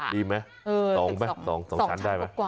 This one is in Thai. ดีไหม๒ชั้นได้ไหม